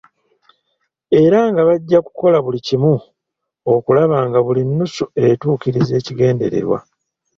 Era nga bajja kukola buli kimu okulaba nga buli nnusu etuukiriza ekigendererwa.